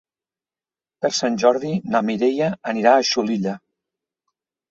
Per Sant Jordi na Mireia anirà a Xulilla.